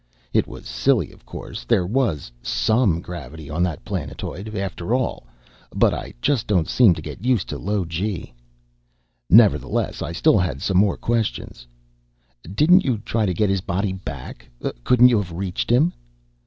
It was silly of course there was some gravity on that planetoid, after all but I just don't seem to get used to low gee. Nevertheless, I still had some more questions. "Didn't you try to get his body back? Couldn't you have reached him?"